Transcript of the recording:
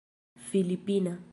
filipina